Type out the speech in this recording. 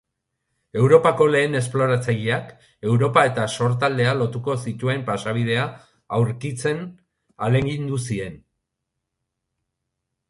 Europako lehen esploratzaileak Europa eta Sortaldea lotuko zituen pasabidea aurkitzen ahalegindu ziren.